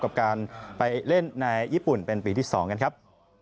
กับการไปเล่นในญี่ปุ่นเป็นปีที่๒กันครับ